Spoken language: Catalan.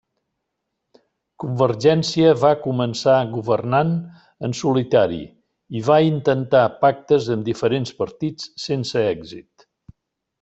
Convergència va començar governant en solitari i va intentar pactes amb diferents partits sense èxit.